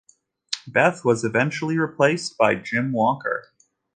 Beith was eventually replaced by Jim Walker.